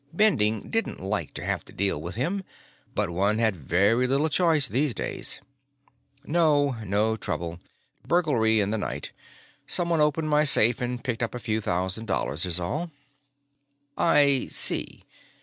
Bending didn't like to have to deal with him, but one had very little choice these days. "No. No trouble. Burglary in the night. Someone opened my safe and picked up a few thousand dollars, is all." "I see."